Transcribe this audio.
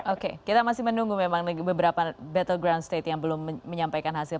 oke kita masih menunggu memang beberapa battleground state yang belum menyampaikan hasil